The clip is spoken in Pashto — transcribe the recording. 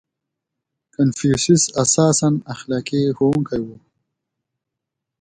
• کنفوسیوس اساساً اخلاقي ښوونکی و.